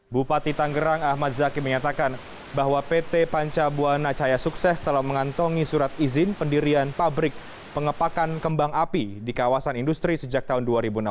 bupati tanggerang ahmad zaki menyatakan bahwa pt panca buana cahaya sukses telah mengantongi surat izin pendirian pabrik pengepakan kembang api di kawasan industri sejak tahun dua ribu enam belas